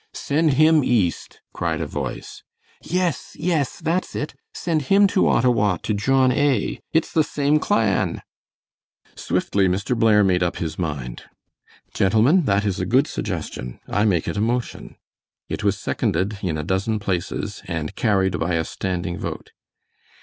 "Send him East," cried a voice. "Yes, yes, that's it. Send him to Ottawa to John A. It's the same clan!" Swiftly Mr. Blair made up his mind. "Gentlemen, that is a good suggestion. I make it a motion." It was seconded in a dozen places, and carried by a standing vote.